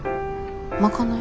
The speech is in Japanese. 賄い？